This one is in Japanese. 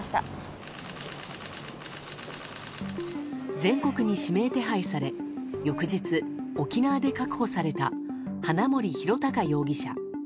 全国に指名手配され翌日、沖縄で確保された花森弘卓容疑者。